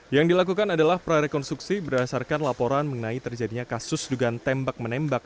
yang dilakukan adalah prarekonstruksi berdasarkan laporan mengenai terjadinya kasus dugaan tembak menembak